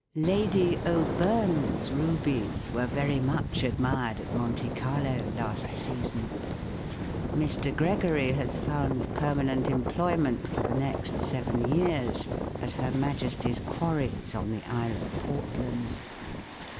Lady O'Byrne's rubies were very much admired at Monte Carlo last season. Mr. Gregory has found permanent employment for the next seven years at Her Majesty's quarries on the Isle of Portland.